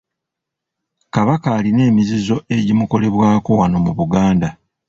Kabaka alina emizizo egimukolebwako wano mu Buganda.